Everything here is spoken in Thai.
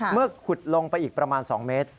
ขุดลงไปอีกประมาณ๒เมตร